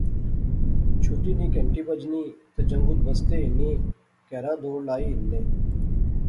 چھٹی نی کہنٹی بجنی تے جنگت بستے ہنی کہرا ا دوڑ لائی ہننے